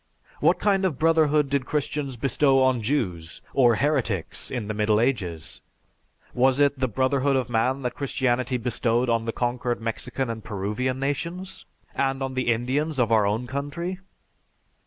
What kind of brotherhood did Christians bestow on Jews or heretics in the Middle Ages? Was it the brotherhood of man that Christianity bestowed on the conquered Mexican and Peruvian nations, and on the Indians of our own country?